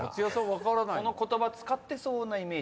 この言葉使ってそうな。